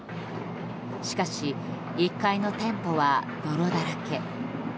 しかし１階の店舗は泥だらけ。